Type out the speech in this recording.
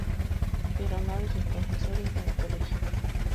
Pero no de sus profesores en el colegio.